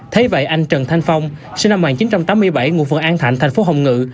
thấy vậy anh trần thanh phong sinh năm một nghìn chín trăm tám mươi bảy ngụ phường an thạnh thành phố hồng ngự